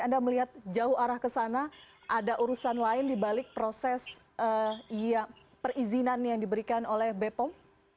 anda melihat jauh arah ke sana ada urusan lain dibalik proses perizinan yang diberikan oleh bepom